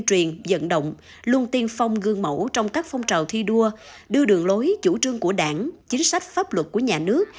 trào thi đua đưa đường lối chủ trương của đảng chính sách pháp luật của nhà nước